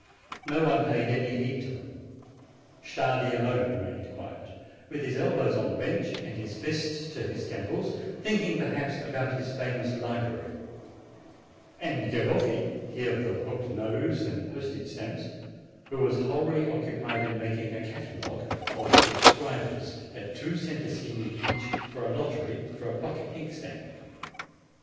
No one paid any heed to them. Stardi alone remained quiet, with his elbows on the bench, and his fists to his temples, thinking, perhaps, about his famous li brary; and Garom", he of the hooked nose and the post age stamps, who was wholly occupied in making a catalogue of the subscribers at two centesimi each, for a lottery for a pocket inkstand.